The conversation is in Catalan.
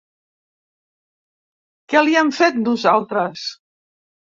Què li hem fet, nosaltres?